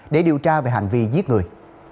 để điều tra về hành vi giết người